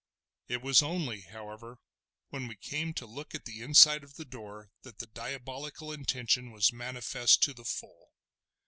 It was only, however, when we came to look at the inside of the door that the diabolical intention was manifest to the full.